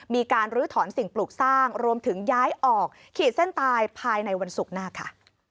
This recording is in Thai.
ลื้อถอนสิ่งปลูกสร้างรวมถึงย้ายออกขีดเส้นตายภายในวันศุกร์หน้าค่ะ